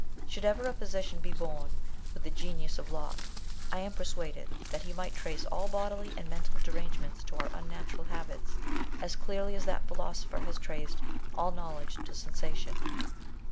Should ever a physician be bom with the genius of Locke, I am persuaded that he might trace all bodily and mental derangements ta our unnatural habits, as clearly as that philosopher has traced all know ledge to sensation.